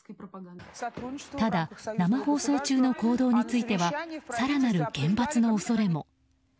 ただ、生放送中の行動については更なる厳罰の恐れも。